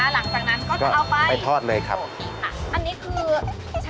เรียบร้อยนะคะหลังจากนั้นก็จะเอาไปโอเคค่ะ